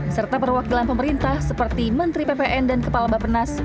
serta perwakilan pemerintah seperti menteri ppn dan kepala bapenas